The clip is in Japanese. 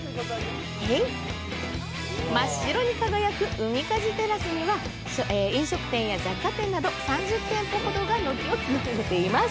真っ白に輝くウミカジテラスには飲食店や雑貨店など３０店舗ほどが軒を連ねています。